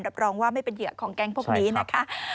รับรองว่าไม่เป็นเหยื่อของแก๊งพวกนี้นะคะ